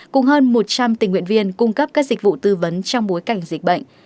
cùng hơn một trăm linh tình nguyện viên cung cấp các dịch vụ tư vấn trong bối cảnh dịch bệnh